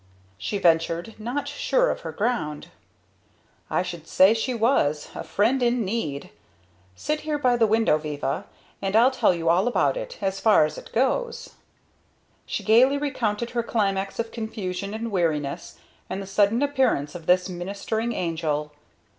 she ventured, not sure of her ground. "I should say she was! A friend in need! Sit here by the window, Viva and I'll tell you all about it as far as it goes." She gaily recounted her climax of confusion and weariness, and the sudden appearance of this ministering angel.